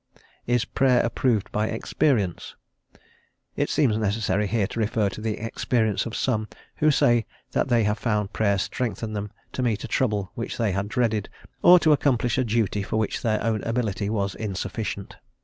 Is Prayer approved by experience? It seems necessary here to refer to the experience of some, who say that they have found Prayer strengthen them to meet a trouble which they had dreaded, or to accomplish a duty for which their own ability was insufficient.